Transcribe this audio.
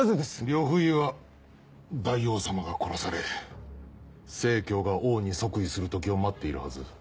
呂不韋は大王様が殺され成が王に即位する時を待っているはず。